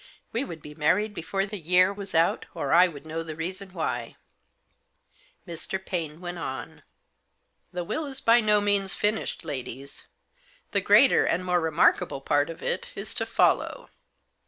We would be married before the year was out, or I would know the reason why. Digitized by SOLE RESIDUARY LEGATEE. 40 Mr. Paine went on. "The will is by no means finished, ladies. The greater, and more remarkable part of it is to follow.